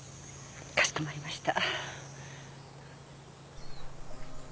かしこまりました。